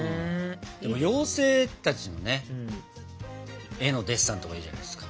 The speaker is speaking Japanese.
でも妖精たちのね絵のデッサンとかいいじゃないですか。